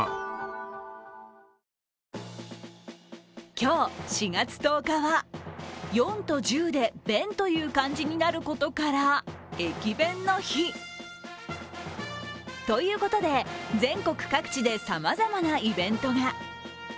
今日、４月１０日は４と十で「弁」という漢字になることから駅弁の日、ということで、全国各地でさまざまなイベントが。